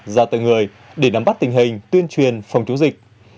ra từng người để nắm bắt tình hình tuyên truyền phòng chống dịch